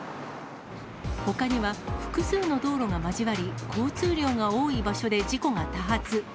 ほかには複数の道路が交わり、交通量が多い場所で事故が多発。